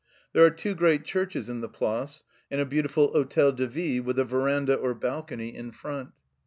There are two great churches in the Place, and a beautiful Hotel de Ville with a verandah or balcony in front.